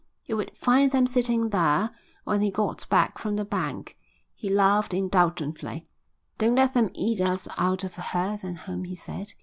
He would find them sitting there when he got back from the bank. He laughed indulgently. "Don't let them eat us out of hearth and home," he said.